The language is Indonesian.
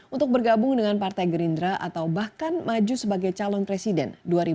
untuk bergabung dengan partai gerindra atau bahkan maju sebagai calon presiden dua ribu dua puluh